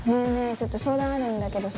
ちょっと相談あるんだけどさ。